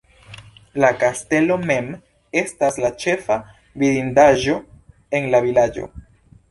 La kastelo mem estas la ĉefa vidindaĵo en la vilaĝo.